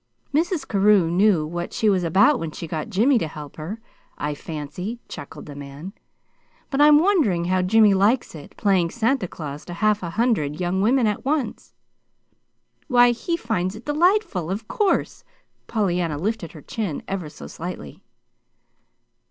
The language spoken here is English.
"Mrs. Carew knew what she was about when she got Jimmy to help her, I fancy," chuckled the man. "But I'm wondering how Jimmy likes it playing Santa Claus to half a hundred young women at once!" "Why, he finds it delightful, of course!" Pollyanna lifted her chin ever so slightly.